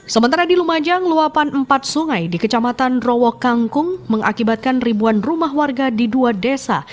sementara di lumajang luapan empat sungai di kecamatan rowo kangkung mengakibatkan ribuan rumah warga di dua desa